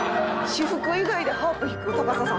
「私服以外でハープ弾く高佐さん